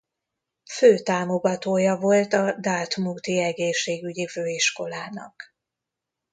Fő támogatója volt a Dartmouthi Egészségügyi Főiskolának.